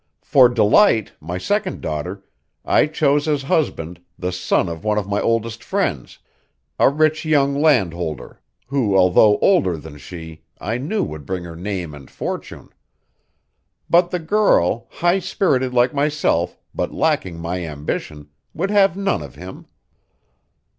For Delight, my second daughter, I chose as husband the son of one of my oldest friends, a rich young landholder who although older than she I knew would bring her name and fortune. But the girl, high spirited like myself but lacking my ambition, would have none of him.